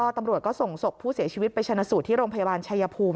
ตำรวจก็ส่งศพผู้เสียชีวิตไปชนะสูตรที่โรงพยาบาลชายภูมิ